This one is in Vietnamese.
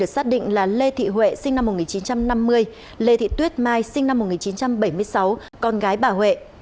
xác định là lê thị huệ sinh năm một nghìn chín trăm năm mươi lê thị tuyết mai sinh năm một nghìn chín trăm bảy mươi sáu con gái bà huệ